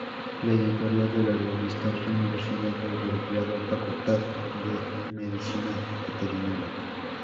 La editorial de la revista es la Universidad de Belgrado, Facultad de Medicina Veterinaria.